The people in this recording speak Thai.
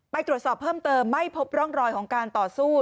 ไปตรวจสอบเพิ่มเติมไม่พบร่องรอยของการต่อสู้